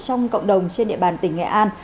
trong cộng đồng trên địa bàn tỉnh nghệ an